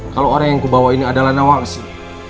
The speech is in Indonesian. kalau orang yang kubawa ini adalah nawang sih